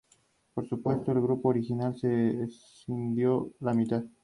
Las Investigaciones Publicitarias se realizan para conocer costumbres y actitudes del receptor.